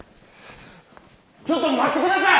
ちょっと待って下さい！